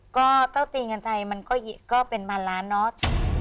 ก็เต้าตีเงินไทยมันก็เป็นพันล้านเนาะ